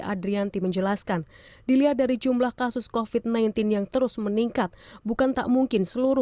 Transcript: adrianti menjelaskan dilihat dari jumlah kasus kofit sembilan belas yang terus meningkat bukan tak mungkin seluruh